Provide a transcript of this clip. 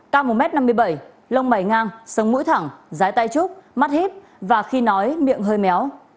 cao một m năm mươi bảy lông mày ngang sống mũi thẳng rái tay trúc mắt hít và khi nói miệng hơi méo